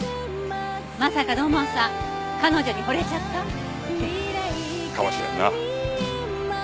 まさか土門さん彼女に惚れちゃった？かもしれんな。